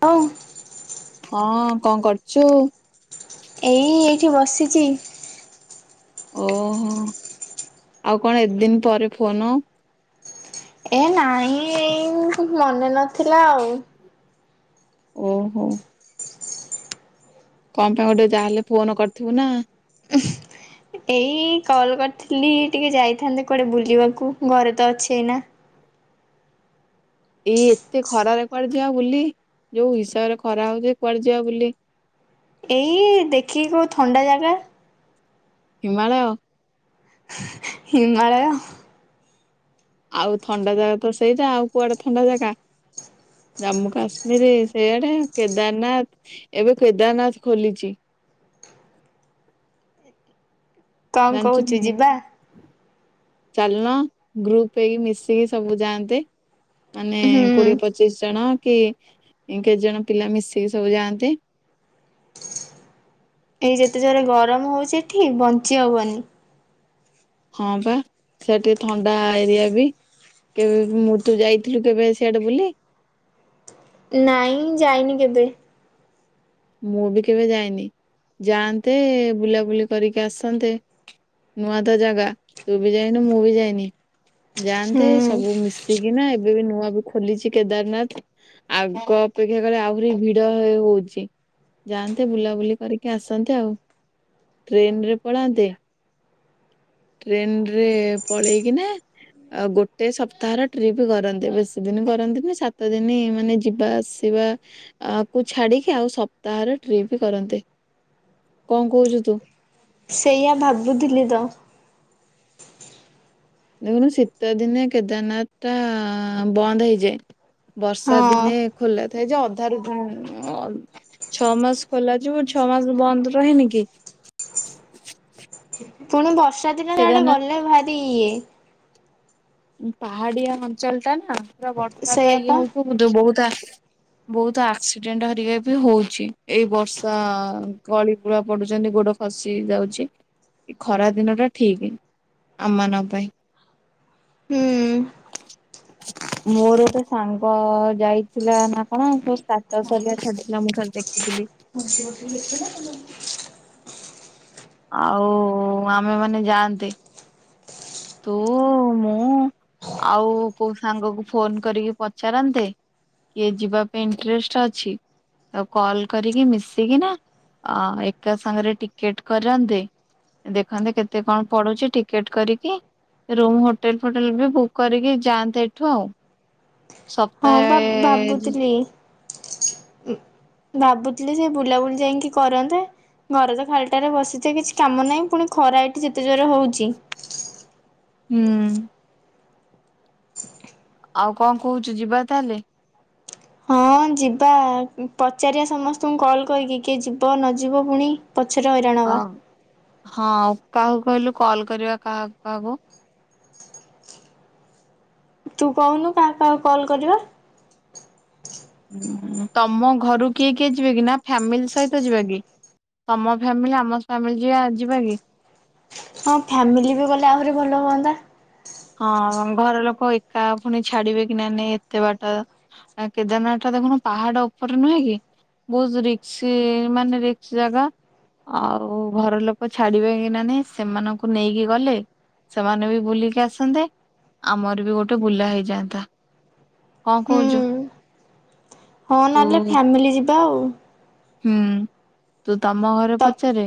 ହଁ ହଁ କଣ କରୁଛୁ? ଏଇ ଏଇଠି ବସିଛି। ଓହୋ ଆଉ କଣ ଏତ ଦିନ ପରେ ଫୋନ ଏ ନାଇହିଁ ମନେ ନ ଥିଲା। ଓହୋ କଣ ପାଇଁ ଗୋଟେ ଯାହାହେଲେ ଫୋନ କରିଥିବୁ ନା- ଏଇ କଲ କରିଥିଲି ଟିକେ ଯାଇଥାନ୍ତେ କୁଆଡେ ବୁଲିବାକୁ ଘରେ ତ ଅଛି ଏଇ ନା- ଏଇ ଏତେ ଖରାରେ କୁଆଡେ ଯିବା ବୁଲି ଯୋଉ ହିସାବରେ ଖରା ହଉଛି କୁଆଡେ ଯିବା ବୁଲି- ଏଇ ଦେଖିକି କୋଉ ଥଣ୍ଡା ଜାଗା- ହିମାଳୟ- ହିମାଳୟ- ଆଉ ଥଣ୍ଡା ଜାଗା ତ ସେଇଟା ଆଉ କୁଆଡେ ଥଣ୍ଡା ଜାଗା ଜାମ୍ମୁ କାଶ୍ମୀର ସେଇଆଡେ କେଦାରନାଥ ଏବେ କେଦାରନାଥ ଖୋଲିଛି- କଣ ଜାଣିଛୁ ନା କହୁଛୁ ନାଇଁ ଯିବା- ଚାଲୁନ ଗ୍ରୁପ ହେଇକି ମିଶିକି ସବୁ ଯାଆନ୍ତେ- ମାନେ ହୁଁ କୋଡିଏ ପଚିଶ ଜଣ- କି କେତେ ଜଣ ପିଲା ମିଶିକି ସବୁ ଯାଆନ୍ତେ ଏଇ ଯେତେ ଜୋରେ ଗରମ ହଉଛି ଏଠି ବଞ୍ଚି ହବନି- ହଁ ବା ସେ ଟିକେ ଥଣ୍ଡା ଏରିଆ ବି କେବେ ମୁଁ ତୁ ଯାଇଥିଲୁ କେବେ ସଆଟେ ବୁଲି- ନାଇଁ ଯାଇନି କେବେ- ମୁଁ ବି କେବେ ଯାଇନି ଯାଆନ୍ତେ ବୁଲାବୁଲି କରିକି ଆସନ୍ତେ ନୂଆ ତ ଜାଗା ତୁ ବି ଯାଇନୁ ମୁଁ ବି ଯାଇନି- ଯାଆନ୍ତେ ହୁଁ ସବୁ ମିଶିକି- ନା ଏବେ ବି ନୂଆ ବି ଖୋଲିଛି କେଦାରନାଥ ଆଗ ଅପେକ୍ଷା କଲେ ଆହୁରି ଭିଡ ହଉଛି- ଯାଆନ୍ତେ ବୁଲାବୁଲି କରିକି ଆସନ୍ତେ ଆଉ ଟ୍ରେନ ରେ ପଳାନ୍ତେ- ଟ୍ରେନ ରେ ପଳେଇକିନା ଗୋଟେ ସପ୍ତାହର ଟ୍ରିପ୍ କରନ୍ତେ ବେଶୀ ଦିନ କରନ୍ତି ନାି ସାତ ଦିନ ମାନେ ଯିବା ଆସିବା କୁ ଛାଡିକି ଆଉ ସପ୍ତାହର ଟ୍ରିପ୍ କରନ୍ତେ କଣ କହୁଛୁ ତୁ। ସେଇୟା ଭାବୁଥିଲି ତ ଦେଖନ୍ତୁ ଶୀତ ଦିନେ କେଦାରନାଥ ଟା ବନ୍ଦ ହେଇଯାଏ। ବର୍ଷା ହଁ ଦିନେ ଖୋଲା ଥାଏ ଯେ ଅଧାରୁ ଛଅ ମାସ ଖୋଲା ଯିବ ଛଅ ମାସ ବନ୍ଦ ରହେନି କି- ଫୋନ ଧର ବର୍ଷା ଦିନ ଯୁଆଡେ କେଦାରନାଥ ଗଲେ ଭାରି ଇଏ ପାହାଡ଼ିିଆ ଅଞ୍ଚଳଟା ନା ପୁରା ବର୍ଷା ଟା ଇଏ ସେଇଆପା ହଉୁଥିବ ବହୁତ ବହୁତ ଆକ୍ସିଡେଣ୍ଟ ହରିକା ବି ହଉଛି, ଏଇ ବର୍ଷା ଗଳି ଗୂଳା ପଡୁଛନ୍ତି ଗୋଡ ଖସି ଯାଉଛି ଏ ଖରା ଦିନ ଟା ଠିକ ଆମମାନଙ୍କ ପାଇଁ ହୁଁ। ମୋର ତ ସାଙ୍ଗ ଯାଇଥିଲା ନା କଣ ର୍ ସ୍ଟାଟସ୍ ଅରିକା ଛାଡିଥିଲା ମୁଁ ଖାଲି ଦେଖିଥିଲି, ସିଏ ଗୋଟେ ଲେଖେ ନା ତମେ [unintelligible] ଆଉ ଆମେମାନେ ଯାଆନ୍ତେ ତୁ, ମୁଁ ଆଉ କୋଉ ସାଙ୍ଗକୁ ଫୋନ କରିକି ପଚାରନ୍ତେ କିଏ ଯିବା ପାଇଁ ଇଣ୍ଟରେଷ୍ଟ ଅଛି ଆଉ କଲ କରିକି ମିଶିକିନା ଏକା ସାଙ୍ଗରେ ଟିକେଟ କରନ୍ତେ ଦେଖନ୍ତେ କେତେ କଣ ପଡ଼ୁଛି ଟିକେଟ୍ କରିକି ରୁମ୍ ହୋଟେଲ ଫୋଟେଲ ବି ବୁକ୍ କରିକି ଯାଆନ୍ତେ ଏଇଠୁ ଆଉ। ହଁ ସପ୍ତାହେ ବା ଭାବୁଥିଲି, ଭାବୁଥିଲି ସେ ବୁଲାବୁଲି ଯାଇକି କରନ୍ତେ ଘରେ ତ ଖାଲିଟାରେ ବସିଚେ କିଛି କାମ ନାହିଁ ପୁଣି ଖରା ଏଇଠି ଯେତେ ଜୋର ହଉଛି, ହୁଁ ଆଉ କଣ କହୁଛୁ ଯିବା ତାହେଲେ, ହଁ ଯିବା ପଚାରିବା ସମସ୍ତଙ୍କୁ କଲ୍ କରିକି କିଏ ଯିବ ନଯିବ ପୁଣି, ପଛରେ ହଇରାଣ ହବା, ହଁ ଆଉ କାହାକୁ କହିଲୁ କଲ କରିବା କାହାକୁ କାହାକୁ, ତୁ କହୁନୁ କାହାକୁ କାହାକୁ କଲ କରିବା। ତମ ଘରୁ କିଏ କିଏ ଯିବେ କି ନା ଫ୍ୟାମିଲି ସହିତ ଯିବା କି ତମ ଫ୍ୟାମିଲି ଆମ ଫ୍ୟାମିଲି ଯ ଯିବା କି? ହଁ ଫ୍ୟାମିଲି ବି ଗଲେ ଆହୁରି ଭଲ ହୁଅନ୍ତା, ହଁ ଘର ଲୋକ ଏକା ପୁଣି ଛାଡିବେ କି ନା ନାଇଁ ଏତେ ବାଟ କେଦାରନାଥ ଟା ଦଖୁନୁ ପାହାଡ ଉପରେ ନୁହେଁ କି, ବହୁତ ରିକ୍ସ ମାନେ ରିକ୍ସ ଜାଗା ଆଉ ଘର ଲୋକ ଛାଡିବେ କି ନ ନାଇଁ ସେମାନଙ୍କୁ ନେଇକି ଗଲେ ସେମାନେ ବି ବୁଲିକି ଆସ ଆସନ୍ତେ, ଆମର ବି ଗୋଟେ ବୁଲା ହେଇଯାଆନ୍ତା କଣ ହୁଁ କହୁଛୁ? ହଁ ତୁ ନହେଲେ ଫ୍ୟାମିଲି ଯିବ ଯିବା ଆଉ ହୁଁ, ତୁ ତମ ଘରେ ତ ପଚାରେ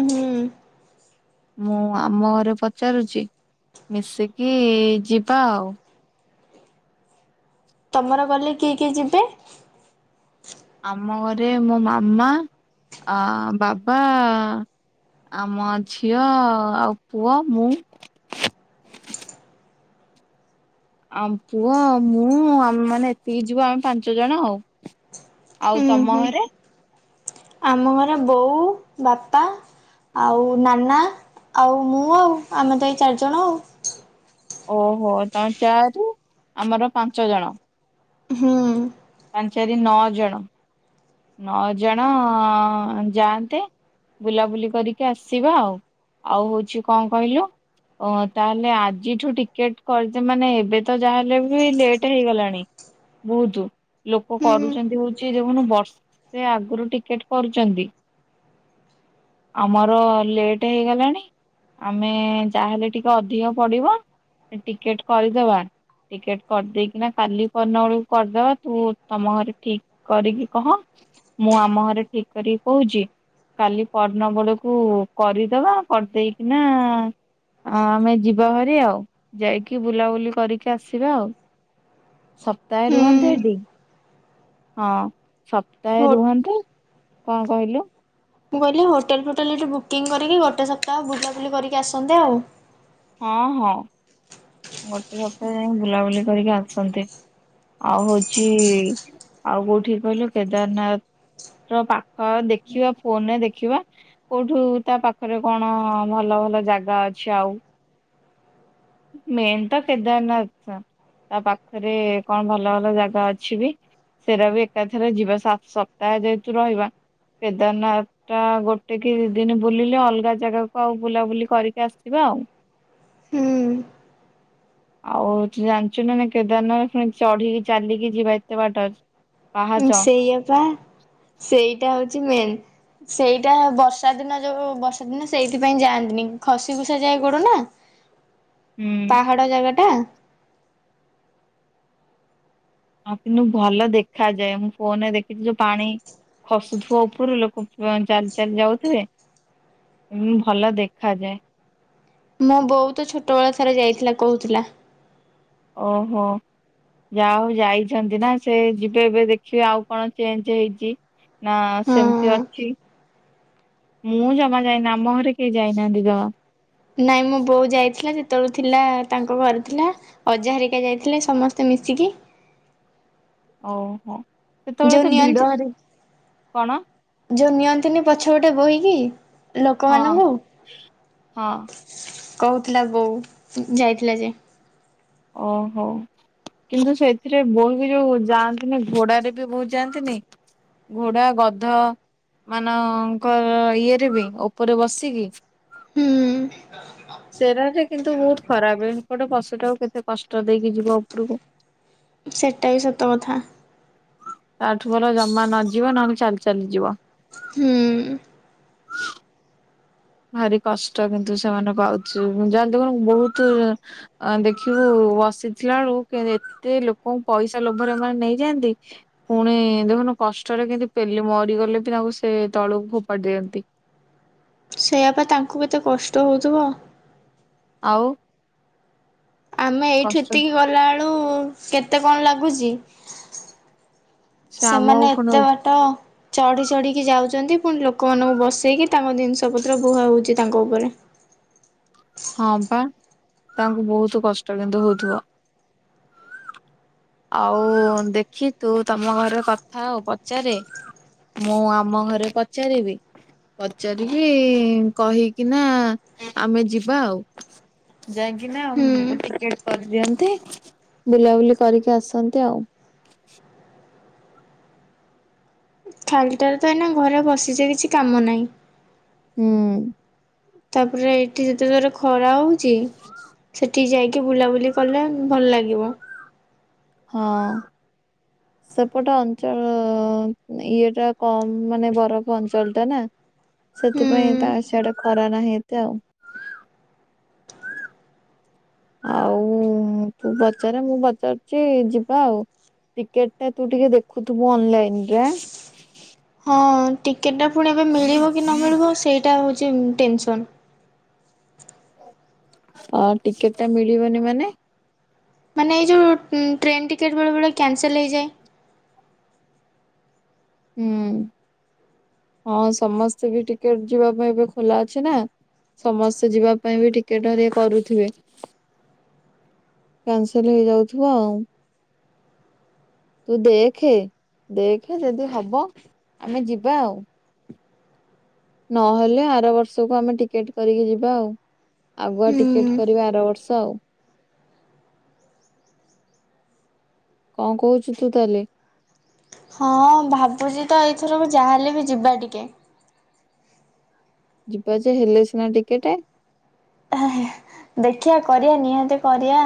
ହୁଁ। ମୁଁ ଆମ ଘରେ ପଚାରୁଛି ମିଶିକି ଯିବା ଆଉ। ତମର ଗଲେ କିଏ କିଏ ଯିବେ? ଆମ ଘରେ ମୋ ମାମା, ଆ ବାବା, ଆମ ଝିଅ, ଆଉ ପୁଅ ମୁଁ ଆମ ପୁଅ ମୁଁ ଆମେ ମାନେ ଏତିକି ଯିବ ଆମେ ପାଞ୍ଚ ଜଣ ଆଉ ଆଉ ଉଁ ତମ ହୁଁ। ଘରେ ଆମ ଘରେ ବୋଉ, ବାପା, ଆଉ ନାନା, ଆଉ ମୁଁ ଆଉ ଆମେ ତ ଏଇ ଚାରିଜଣ ଆଉ। ଓହୋ ତମେ ଚାରି ଆମର ପାଞ୍ଚ ଜଣ ହୁଁ ପାଞ୍ଚଚାରି ନଅ ଜଣ ନଅ ଜଣ ଯାଆନ୍ତେ ବୁଲାବୁଲି କରିକି ଆସିବା ଆଉ, ଆଉ ହଉଛି କଣ କହିଲୁ ତାହେଲେ ଆଜିଠୁ ଟିକେଟ କରିଦେ ମାନେ ଏବେ ତ ଯାହାହେଲେ ବି ଲେଟ୍ ହେଇଗଲାଣି ବହୁତ ଲୋକ ହୁଁ କରୁଛନ୍ତି ହଉଛି ଦେନୁ ବର୍ଷ ସେ ଆଗରୁ ଟିକେଟ କରୁଛନ୍ତି, ଆମର ଲେଟ ହେଇଗଲାଣି ଆମେ ଯାହେଲେ ଟିକେ ଅଧିକ ପଡିବ ଟିକେଟ କରିଦବା ଟିକେଟ କରିଦେଇକିନା କାଲି ପନ ବଳକୁ କରିଦବା ତୁ ତମ ଘରେ ଠିକ କରିକି କହ? ମୁଁ ଆମ ଘରେ ଠିକ କରିକି କହୁଛି କାଲି ପରଦିନ ବେଳକୁ କରିଦବା କରିଦେଇକିନା ଆମେ ଯିବା ଭରି ଆଉ ଯାଇକି ବୁଲାବୁଲି କରିକି ଆସିବା ଆଉ ସପ୍ତାହେ ହୁଁ ରୁହନ୍ତେ ଏଠି ହଁ ସତ ହୋ ସପ୍ତାହେ ରୁହନ୍ତେ। କଣ କହିଲୁ? ମୁଁ କହିଲି ହୋଟେଲ ଫୋଟେଲ୍ ଏଠି ବୁକିଂ କରିକି ଗୋଟେ ସପ୍ତାହ ବୁଲାବୁଲି କରିକି ଆସନ୍ତେ ଆଉ ହଁ ହଁ ଗୋଟେ ସପ୍ତାହ ଯାଇ ବୁଲାବୁଲି କରିକି ଆସନ୍ତି, ଆଉ ହଉଛି ଆଉ କୋଉଠି କହିଲୁ କେଦାରନାଥ ର ପାଖ ଦେଖିବା ଫୋନରେ ଦେଖିବା କୋଉଠୁ ତା ପାଖରେ କଣ ଭଲ ଭଲ ଜାଗା ଅଛି ଆଉ। ମେନ୍ ତ କେଦାରନାଥ ଟା, ତା ପାଖରେ କଣ ଭଲ ଭଲ ଜାଗା ଅଛି ବି ସେଟା ବି ଏକାଥରେ ଯିବା ସାତ ସପ୍ତାହେ ଯେହେତୁ ରହିବା କେଦାରନାଥ ଟା ଗୋଟେ କି ଦିନ ବୁଲିଲେ ଅଲଗା ଜାଗାକୁ ଆଉ ବୁଲାବୁଲି କରିକି ଆସିବା ଆଉ। ହୁଁ ଆଉ ତ ଜାଣିଛୁ ନା ନା କେଦାରନାଥୁଣି ଚଢିକି ଚାଲିକି ଯିବା ଏତେ ବାଟ ପାହାଚ ସେଇଆପା ସେଇଟା ହଉଛି ମେନ୍ ସେଇଟା ବର୍ଷା ଦିନ ଯୋଉ ବର୍ଷା ଦିନ ସେଇଥିପାଇଁ ଯାଆନ୍ତିନି ଖସି ଖୁସା ଯାଏ ପଡୁନା ହୁଁ ପାହାଡ ଜାଗା ଟା ହଁ କିନ୍ତୁ ଭଲ ଦେଖାଯାଏ ମୁଁ ଫୋନରେ ଦେଖିଛି ଯୋଉ ପାଣି ଖସୁଥଥିବା ଉପରୁ ଲୋକ ଚାଲି ଚାଲି ଯାଉଥିବେ ଭଲ ଦେଖାଯାଏ। ମୁଁ ବହୁତ ଛୋଟବେଳ ଥରେ ଯାଇଥିଲା କହୁଥିଲା। ଓହୋ ଯା ହଉ ଯାଇଛନ୍ତି ନା ସେ ଯିବେ ଏବେ ଦେଖିବେ ଆଉ କଣ ଚେଞ୍ଜ ହେଇଛି ନା ସେମିତି ହଁ ଅଛି ମୁଁ ଜମା ଯାଇନି ଆମ ଘରେ କେହି ଯାଇନାହାନ୍ତି ଜମା ନାଇଁ ମୋ ବୋଉ ଯାଇଥିଲା ଯେତେବେଳଳେ ଥିଲା ତାଙ୍କ ଘରେ ଥିଲା। ଅଜାହାରହାରିକା ଯାଇଥିଲେ ସମସ୍ତେ ମିଶିକି ଓହୋ ସେତେବେଳେ ଯୋଉ ତ ନିଅନ୍ତି ଭିଡ ହରେ କଣ? ଯେଉଁ ନିଅନ୍ତିନି ପଛ ଗୋଟେ ବହି କି? ହଁ ହଁ କହୁଥିଲା ବୋଉ ଯାଇଥିଲା ଯେ ଓହୋ କିନ୍ତୁ ସେଥିରେ ବୋହି ବି ଯୋଉ ଯାଆନ୍ତିନି ଘୋଡାରେ ବି ବୋହୁ ଯାଆନ୍ତିନି ଘୋଡା ଗଧ ମାନଙ୍କର ଇଏରେ ବି ଉପରେ ବସିକି ହୁଁ ସେରାରେ କିନ୍ତୁ ବହୁତ ଖରାପ ଏ ଗୋଟେ ପଶୁଟାକୁ କେତେ? କଷ୍ଟ ଦେଇକି ଯିବା ଉପରକୁ ସେଟା ବି ସତକଥା ତାଠୁ ପଲ ଜମା ନଯିବ ନହେଲେ ଚାଲି ଚାଲି ଯିବ। ହୁଁ ଭାରି କଷ୍ଟ କିନ୍ତୁ ସେମାନଙ୍କୁ ଆଉଛି ଯା ଦେଖନୁ ବହୁତ ଦେଖିବୁ ବସିଥିଲା ବେଳକୁ ଏତେ ଲୋକଙ୍କୁ ପଇସା ଲୋଭରେ ମମାନୋନ ନେଇଯାଆନ୍ତି ପୁଣି ଦେଖୁନୁ କଷ୍ଟରେ କିନ୍ତୁ ପେଲି ମରିଗଲେ ବି ତାଙ୍କୁ ସେ ତଳକୁ ଫୋପାଡ଼ି ଦିଅନ୍ତି। ସେଇଆ ପାଇଁ ତାଙ୍କୁ କେତେ କଷ୍ଟ ହଉଥିବ। ଆଉ ଆମେ ଏଇଠି କଷ୍ଟ ଏତିକି ଗଲାବେଳୁ କେତେ କଣ ଲାଗୁ ପାବୁଜି ସେ ଆମ ସେମାନେ ପୁଣି ଏତେ ବାଟ ଚଢି ଚଢିକି ଯାଉଛନ୍ତି। ପୁଣି ଲୋକମାନଙ୍କୁ ବସେଇକି ତାଙ୍କ ଜିନିଷ ପତ୍ର ବୁହା ହେଉଛି ତାଙ୍କ ଉପରେ ହଁ ବା ତାଙ୍କୁ ବହୁତ କଷ୍ଟ କିନ୍ତୁ ହଉଥିବ ଆଉ ଦେଖି ତୁ ତମ ଘରେ କଥା ଆଉ ପଚାରେ ମୁଁ ଆମ ଘରେ ପଚାରିବି ପଚାରିକି କହିକି ନା ଆମେ ଯ ବା ଆଉ ଯାଇକି ନା ହୁଁ। ଏ କରିଦିଅନ୍ତି ବୁଲାବୁଲି କରିକି ଆସନ୍ତି ଆଉ। ଖାଲିଟାରେ ତ ଏଇନା ଘରେ ବସିଛ କିଛି କାମ ନାହିଁ। ହୁଁ ତାପରେ ଏଇଠି ଯେତେଥର ଖରା ହଉଛି ସେଠିକି ଯାଇକି ବୁଲାବୁଲି କଲେ ଭଲ ଲାଗିବ। ହଁ ସେପଟେ ଅଞ୍ଚଳ ଇଏଟା କମ୍ ମାନେ ବରଫ ଅଞ୍ଚଳ ଟା ନା ହୁଁ। ସେଥିପାଇଁ ତା ସେଆଟେ ଖରା ନାହିଁ ଏତେ ଆଉ। ଆଉ ତୁ ପଚାରେ ମୁଁ ପଚାରୁଛି ଯିବା ଆଉ ଟିକେଟ ଟା ତୁ ଟିକେ ଦେଖୁଥିବୁ ଅନଲାଇନ ରେ ହଁ କେଟା ପୁଣି ଏବେ ମିଳିବ କି ନ ମିଳିବ ସେଇଟା ହେଉଛି। ଟେନସ ହଁ ଟିକେଟ ଟା ମିଳିବନି ମାନେ। ମାନେ ଏଇ ଯେଉଁ ଟ୍ରେନ୍ ଟିକେଟ୍ ବେଳେ ବେଳେ କ୍ୟାନସେଲ୍ ହେଇଯାଏ। ହୁଁ ହଁ ସମସ୍ତେ ବି ଟିକେଟ ଯିବା ପାଇଁ ଏବେ ଖୋଲା ଅଛି ନା ସମସ୍ତେ ଯିବା ପାଇଁ ବି ଟିକେଟ କରୁଥିବେ କାନସଲ ହେଇଯାଉଥିବ ଆଉ ତୁ ଦେଖେ ଦେଖେ ଯଦି ହବ ଆମେ ଯିବା ଆଉ। ନହେଲେ ଆର ବର୍ଷକୁ ଆମେ ଟିକେଟ କରିକି ଯିବା ଆଉ ଆଗୁଆ ହୁଁ। ଟିକେଟ କରିବା ଆର ବର୍ଷ ଆଉ। କଣ କହୁଛୁ ତୁ ତାହଲେ? ହଁ ଭାବୁଛି ତ ଏଇଥରକୁ ଯାହାହେଲେ ବି ଯିବା ଟିକେ ଯିବା ଯେ ହେଲେ ସିନା ଟିକେଟେ ଦେଖିବା କରିବାଆ ନିହାତି କରିଆ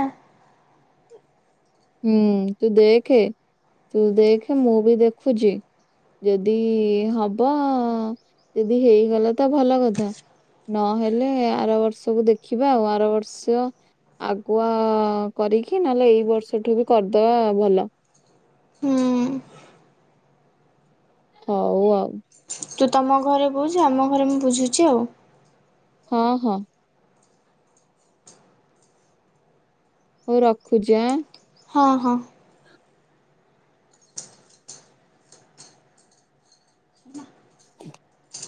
ହୁଁ ତୁ ଦେଖ ତୁ ଦେଖ ମୁଁ ବି ଦେଖୁଛି ଯଦି ହବ ଯଦି ହେଇଗଲା ତ ଭଲ କଥା ନହେଲେ ଆର ବର୍ଷକୁ ଦେଖିବା ଆଉ ଆର ବର୍ଷ ଆଗୁଆ କରିକି ନହେଲେ ଏଇ ବର୍ଷ ସେଠୁ ବି କରିଦବା ଭଲ ହୁଁ ହଉ ଆଉ ତୁ ତମ ଘରେ ବୁଝୁ ଆମ ଘରେ ମୁଁ ବୁଝୁଛି ଆଉ ହଁ ହଁ ହଉ ରଖୁଛି ଆଁ ହଁ ହଁ [unintelligible]